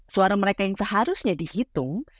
suara mereka yang seharusnya dihitung